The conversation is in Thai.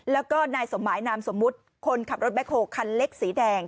แล้วก็นายสมหมายนามสมมุติคนขับรถแบคโฮคันเล็กสีแดง